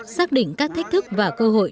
xác định các thách thức và cơ hội